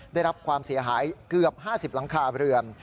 ได้รับความเสียหายเกือบ๕๐หลังคาเรือน